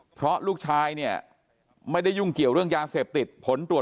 เพราะลูกชายเนี่ยไม่ได้ยุ่งเกี่ยวเรื่องยาเสพติดผลตรวจ